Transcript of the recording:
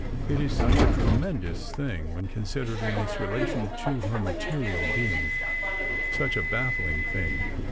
It is such a tremendous thing when considered in its relation to her material being—such a baffling thing.